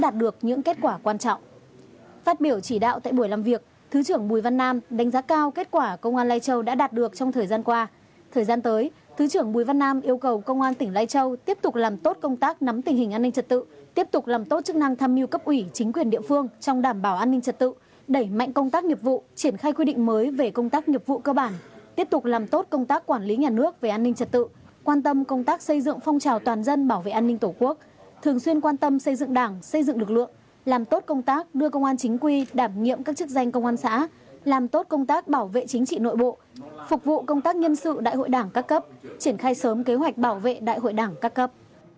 tội phạm an ninh trật tự đẩy mạnh công tác nghiệp vụ triển khai quy định mới về công tác nghiệp vụ cơ bản tiếp tục làm tốt công tác quản lý nhà nước về an ninh trật tự quan tâm công tác xây dựng phong trào toàn dân bảo vệ an ninh tổ quốc thường xuyên quan tâm xây dựng đảng xây dựng lực lượng làm tốt công tác đưa công an chính quy đảm nhiệm các chức danh công an xã làm tốt công tác bảo vệ chính trị nội bộ phục vụ công tác nhân sự đại hội đảng các cấp triển khai sớm kế hoạch bảo vệ đại hội đảng các cấp